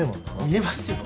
見えますよ。